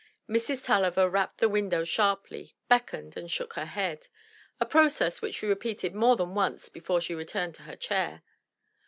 Mrs. Tulliver rapped the window sharply, beckoned, and shook her head,— a process which she repeated more than once before she returned to her chair.